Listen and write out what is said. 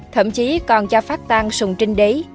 thậm chí còn cho phát tan sùng trinh đế